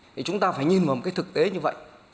thì chúng ta phải nhìn vào một cái thực tế như vậy